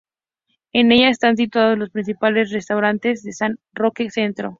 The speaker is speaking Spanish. En ella están situados los principales restaurantes de San Roque Centro.